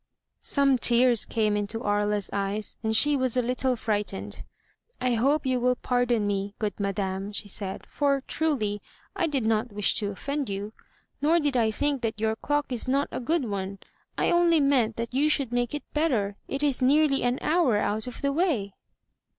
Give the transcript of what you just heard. '* Some tears came into Aria's eyes; she was a little frightened. "I hope you will pardon me, good madame," she said, "for, truly, I did not wish to offend you. Nor did I think that your clock is not a good one. I only meant that you should make it better; it is nearly an hour out of the way."